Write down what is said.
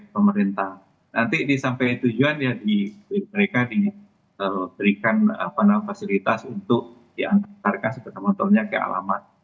pemerintah nanti disampaikan tujuan ya di mereka diberikan apa namanya fasilitas untuk diantarkan sepeda motornya ke alamat